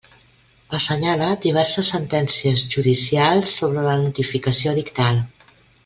Assenyala diverses sentències judicials sobre la notificació edictal.